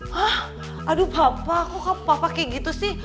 hah aduh papa kok papa kayak gitu sih